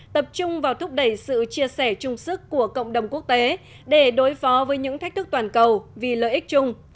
tập trung vào thúc đẩy sự chia sẻ trung sức của cộng đồng quốc tế để đối phó với những thách thức toàn cầu vì lợi ích chung